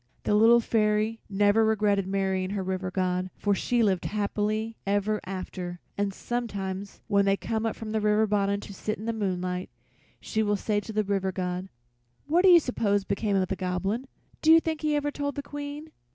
The Little Fairy never regretted marrying her River God, for she lived happy ever after, and sometimes when they come up from the river bottom to sit in the moonlight she will say to the River God: "What do you suppose became of the Goblin? Do you think he ever told the Queen?"